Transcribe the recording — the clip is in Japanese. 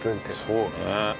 そうね。